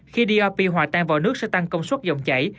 khi drp hòa tan vào nước sẽ tăng công suất dòng chảy